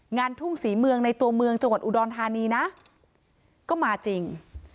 งานทุ่งศรีเมืองในตัวเมืองจังหวัดอุดรธานีนะก็มาจริง